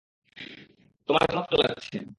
তোমায় চমৎকার লাগছে।